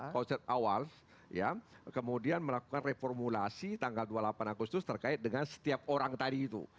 konsep awal ya kemudian melakukan reformulasi tanggal dua puluh delapan agustus terkait dengan setiap orang tadi itu